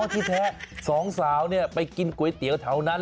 อ๋อที่แท้สองสาวไปกินค่าเตี๋ยวเท่านั้น